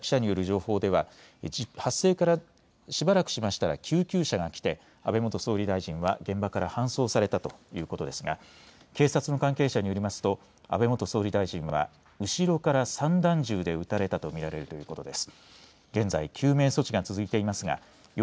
現場で取材をしていました記者による情報では発生からしばらくしましたら救急車が来て安倍元総理大臣は現場から搬送されたということですが警察の関係者によりますと安倍元総理大臣は後ろから散弾銃で撃たれたと見られるということです。